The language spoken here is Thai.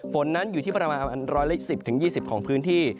ฝนนั้นอยู่ที่ประมาณ๑๑๐๒๐ของพื้นที่